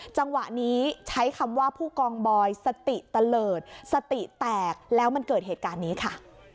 จังหวะนี้ใช้คำว่าผู้กองบอยสติตะเลิศสติแตกแล้วมันเกิดเหตุการณ์นี้ค่ะ